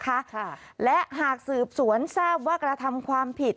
ค่ะและหากสืบสวนทราบว่ากระทำความผิด